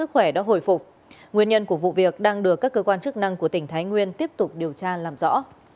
sức khỏe đã hồi phục nguyên nhân của vụ việc đang được các cơ quan chức năng của tỉnh thái nguyên tiếp tục điều tra làm rõ